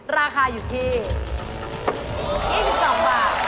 ราคาอยู่ที่๒๒บาท